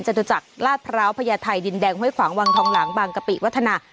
จตุจักรลาดพร้าวพญาไทยดินแดงห้วยขวางวังทองหลังบางกะปิวัฒนา